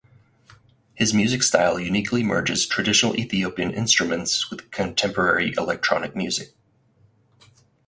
His music style uniquely merges traditional Ethiopian instruments with contemporary electronic music.